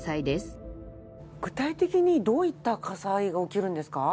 具体的にどういった火災が起きるんですか？